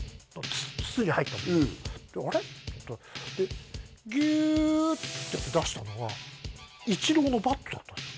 筒に入ったもので「あれ？」ってギューッてやって出したのがイチローのバットだったんですよ